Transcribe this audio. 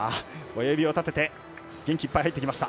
親指を立てて元気いっぱいに入ってきました。